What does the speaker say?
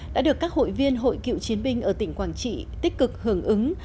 đã được các hội viên hội cựu chiến binh ở tỉnh quảng trị tích cực hưởng ứng